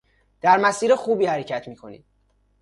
در مسیر خوبی حرکت می کنید.